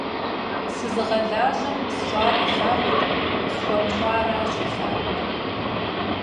Сызыгъэлажьэм сщӏар илъагъуркъым, схуэмыщӏаращ илъагъур.